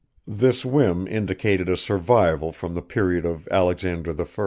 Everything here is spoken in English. This whim indicated a survival from the period of Alexander I.